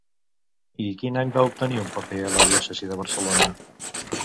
I quin any va obtenir un paper a la diòcesi de Barcelona?